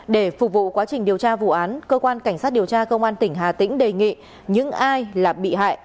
để phục vụ quá trình điều tra vụ án cơ quan cảnh sát điều tra công an tỉnh hà tĩnh đề nghị những ai là bị hại